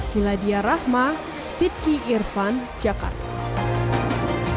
hiladya rahma siti irfan jakarta